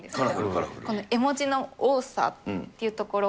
この絵文字の多さっていうところ。